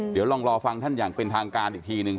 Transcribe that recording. เดี๋ยวลองรอฟังท่านอย่างเป็นทางการอีกทีนึง